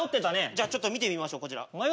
じゃあちょっと見てみましょうこちら。